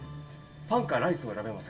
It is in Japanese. パンかライスを選べますが。